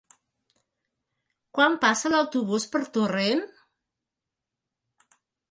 Quan passa l'autobús per Torrent?